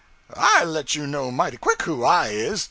I let you know mighty quick who I is!